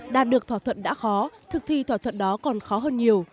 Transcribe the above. đạt được thỏa thuận đã khó thực thi thỏa thuận đó còn khó hơn nhiều